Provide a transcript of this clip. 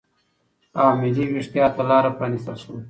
او ملي وېښتیا ته لاره پرا نستل شوه